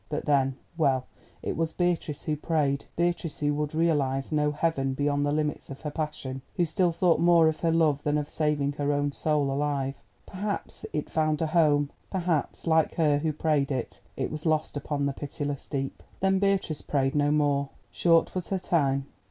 But, then—well, it was Beatrice who prayed—Beatrice, who could realise no heaven beyond the limits of her passion, who still thought more of her love than of saving her own soul alive. Perhaps it found a home—perhaps, like her who prayed it, it was lost upon the pitiless deep. Then Beatrice prayed no more. Short was her time.